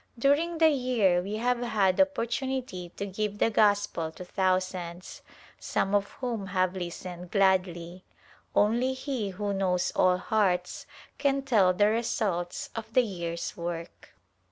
During the year we have had opportunity to give the Gospel to thousands, some of whom have listened gladly. Only He who knows all hearts can tell the results of the year's work.